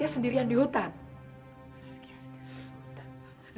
saskia sendirian di hutan